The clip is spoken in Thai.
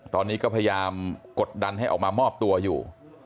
ตอนนี้ก็พยายามกดดันให้ออกมามอบตัวอยู่